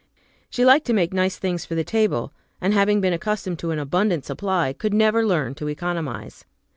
She liked to make nice things for the table, and, having been accustomed to an abundant supply, could never learn to economize.